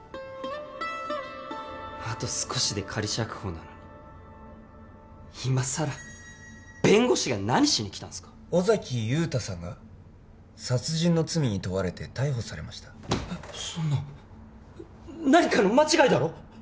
あと少しで仮釈放なのに今さら弁護士が何しに来たんすか尾崎雄太さんが殺人の罪に問われ逮捕されましたえっそんな何かの間違いだろ？